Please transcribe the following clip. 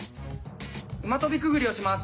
馬跳びくぐりをします。